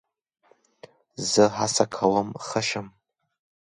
زه هڅه کوم ښه شم.